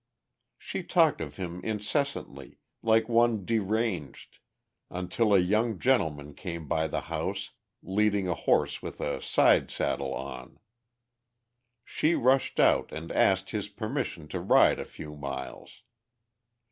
She talked of him incessantly, like one deranged, until a young gentleman came by the house, leading a horse with a side saddle on. She rushed out, and asked his permission to ride a few miles.